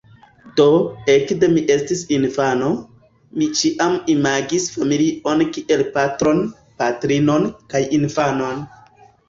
Do, ekde mi estis infano, mi ĉiam imagis familion kiel patron, patrinon kaj infanon.